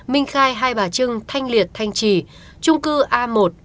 minh khai hai bà trưng thanh liệt thanh trì trung cư a một